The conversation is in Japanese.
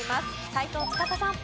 斎藤司さん。